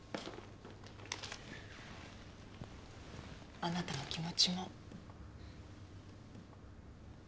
あなたの気持ちも。